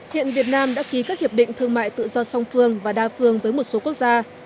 hiện việt nam đã ký các hiệp định thương mại tự do song phương và đa phương với một số quốc gia